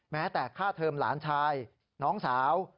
แม้แต่ค่าเทอมหลานชายน้องสาว